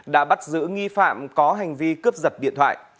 đã bắt giữ nghi phạm có hành vi cướp giật điện thoại